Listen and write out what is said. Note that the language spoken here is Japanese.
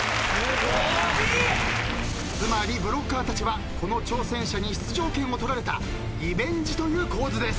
つまりブロッカーたちはこの挑戦者に出場権を取られたリベンジという構図です。